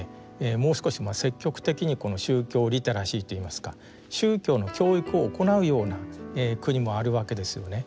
もう少し積極的にこの宗教リテラシーっていいますか宗教の教育を行うような国もあるわけですよね。